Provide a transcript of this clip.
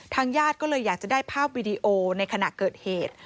ญาติก็เลยอยากจะได้ภาพวิดีโอในขณะเกิดเหตุ